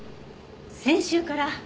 先週から？